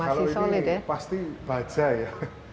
kalau ini pasti baja ya